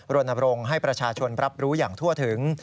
รณบรงค์ให้ประชาชนรับรู้อย่างทั่วถึง